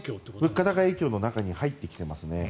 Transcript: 物価高影響の中に入ってきています。